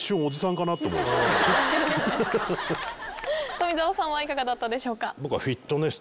富澤さんはいかがだったでしょうか？